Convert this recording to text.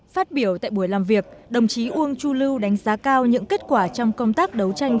phát biểu tại buổi làm việc đồng chí uông chu lưu đánh giá cao những kết quả trong công tác đấu tranh